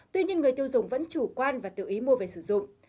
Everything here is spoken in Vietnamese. tuy nhiên người tiêu dùng vẫn chủ quan và tự ý mua về sử dụng